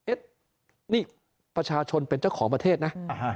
นี่ประชาชนเป็นเจ้าของประเทศนะ